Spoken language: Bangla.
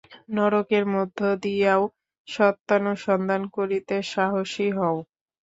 নরকের মধ্য দিয়াও সত্যানুসন্ধান করিতে সাহসী হও।